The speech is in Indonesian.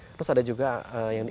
terus ada juga yang